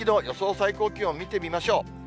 最高気温見てみましょう。